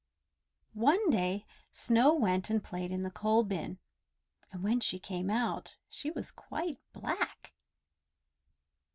One day Snow went and played in the coal bin, and when she came out she was quite black.